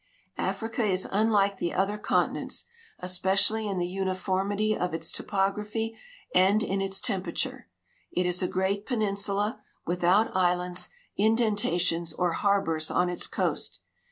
Africa is unlike the other continents, especially in the uniform ity of its topography and in its temperature. It is a great penin sula, without islands, indentations, or harbors on its coast.